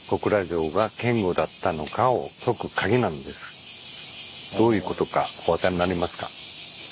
実はこのどういうことかお分かりになりますか？